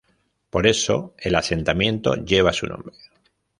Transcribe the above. Por eso el asentamiento lleva su nombre.